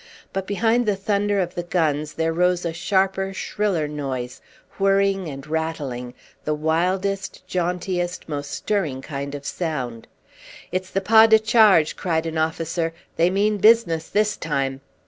But behind the thunder of the guns there rose a sharper, shriller noise, whirring and rattling, the wildest, jauntiest, most stirring kind of sound. "It's the pas de charge!" cried an officer. "They mean business this time!"